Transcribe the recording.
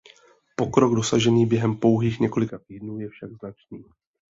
Pokrok dosažený během pouhých několika týdnů je však značný.